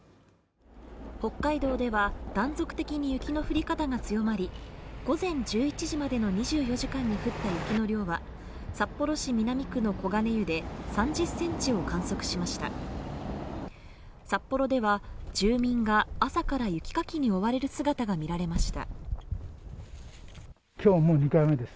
北海道では断続的に雪の降り方が強まり午前１１時までの２４時間に降った雪の量は札幌市南区の小金湯で３０ｃｍを観測しました札幌では住民が朝から雪かきに追われる姿が見られました